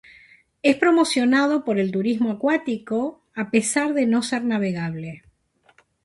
Es promocionado por el turismo acuático a pesar de no ser navegable.